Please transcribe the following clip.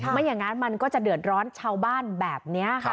ไม่อย่างนั้นมันก็จะเดือดร้อนชาวบ้านแบบนี้ค่ะ